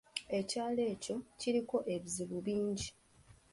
Ekyalo ekyo kiriko ebizibu bingi.